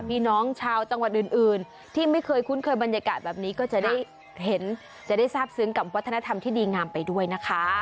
พี่น้องชาวจังหวัดอื่นที่ไม่เคยคุ้นเคยบรรยากาศแบบนี้ก็จะได้เห็นจะได้ทราบซึ้งกับวัฒนธรรมที่ดีงามไปด้วยนะคะ